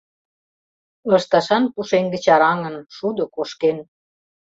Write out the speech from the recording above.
Лышташан пушеҥге чараҥын, шудо кошкен.